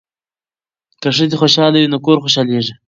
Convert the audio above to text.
که ښځې خوشحاله وي نو کور خوشحالیږي.